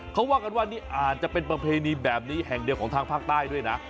เขาว่ากันว่านี่อาจจะเป็นประเพณีแบบนี้แห่งเดียวของทางภาคใต้ด้วยนะ